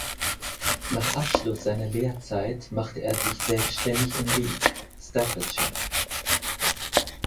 Nach Abschluss seiner Lehrzeit machte er sich selbständig in Leek, Staffordshire.